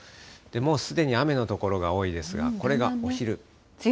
もうすでに雨の所が多いですが、これがお昼。